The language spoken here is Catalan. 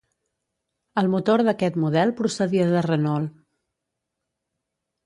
El motor d'aquest model procedia de Renault.